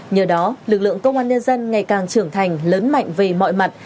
nhờ đó lực lượng công an nhân dân ngày càng trưởng thành lớn mạnh về mọi mặt